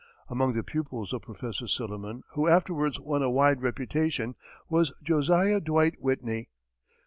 Among the pupils of Prof. Silliman who afterwards won a wide reputation was Josiah Dwight Whitney.